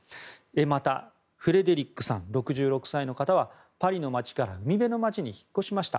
また、フレデリックさん６６歳の方はパリの街から海辺の町に引っ越しました。